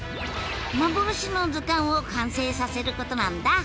幻の図鑑を完成させることなんだ！